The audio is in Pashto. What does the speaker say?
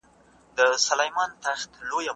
هغه په ډېر مېړانه د خپلواکۍ په جنګ کې بریا ترلاسه کړه.